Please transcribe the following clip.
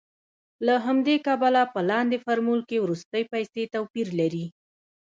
له همدې کبله په لاندې فورمول کې وروستۍ پیسې توپیر لري